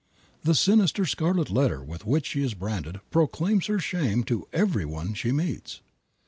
The sinister scarlet letter with which she is branded proclaims her shame to every one she meets.